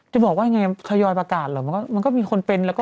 จะบอกว่ายังไงทยอยประกาศเหรอมันก็มันก็มีคนเป็นแล้วก็